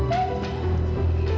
di depan tadi